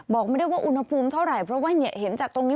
บอกไม่ได้ว่าอุณหภูมิเท่าไหร่เพราะว่าเห็นจากตรงนี้